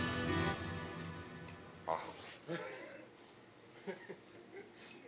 あっ。